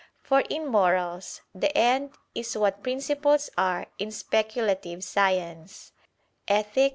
For in morals the end is what principles are in speculative science (Ethic.